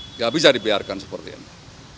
nggak bisa dibiarkan seperti ini